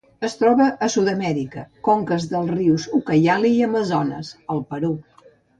Es troba a Sud-amèrica: conques dels rius Ucayali i Amazones al Perú.